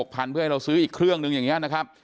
เพื่อให้เราซื้ออีกเครื่องนึงอย่างนี้นะครับ